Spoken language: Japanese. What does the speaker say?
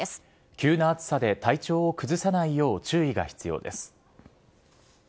急な暑さで体調を崩さないよう注意が必要です。